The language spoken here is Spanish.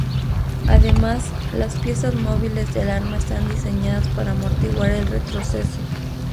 Además, las piezas móviles del arma están diseñadas para amortiguar el retroceso.